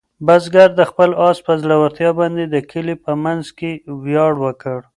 بزګر د خپل آس په زړورتیا باندې د کلي په منځ کې ویاړ وکړ.